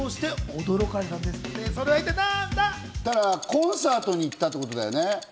コンサートに行ったってことだよね。